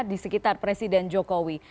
di sekitar presiden jokowi